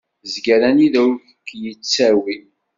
Zger anida ur k-yettawi.